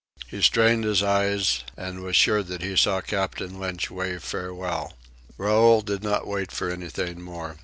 He strained his eyes, and was sure that he saw Captain Lynch wave farewell. Raoul did not wait for anything more.